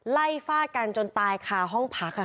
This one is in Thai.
ไล่ฟาดกันจนตายคาห้องพักอะค่ะ